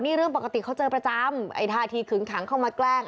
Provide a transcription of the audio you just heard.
นี่เรื่องปกติเขาเจอประจำไอ้ท่าทีขึงขังเข้ามาแกล้ง